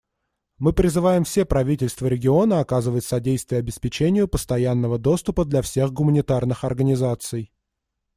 Мы призывам все правительства региона оказывать содействие обеспечению постоянного доступа для всех гуманитарных организаций.